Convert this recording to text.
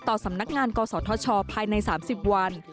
สำนักงานกศธชภายใน๓๐วัน